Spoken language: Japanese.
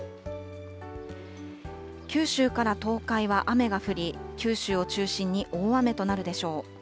九州から東海は雨が降り、九州を中心に大雨となるでしょう。